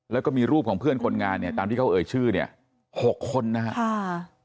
แล้วก็มีรูปของเพื่อนคนงานเนี่ยตามที่เขาเอ่ยชื่อเนี่ยหกคนนะครับ